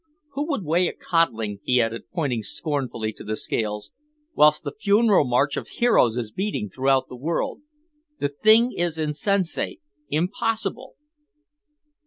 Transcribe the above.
Who would weigh a codling," he added, pointing scornfully to the scales, "whilst the funeral march of heroes is beating throughout the world? The thing is insensate, impossible!"